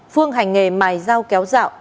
phương hành nghề mài dao kéo dạo